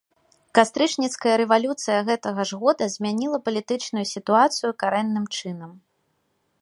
Кастрычніцкая рэвалюцыя гэтага ж года змяніла палітычную сітуацыю карэнным чынам.